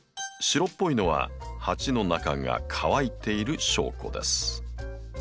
白っぽいのは鉢の中が乾いている証拠です。